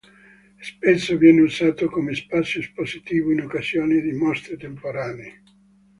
Spesso viene usato come spazio espositivo in occasione di mostre temporanee.